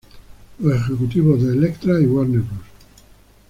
Los ejecutivos de Elektra y Warner Bros.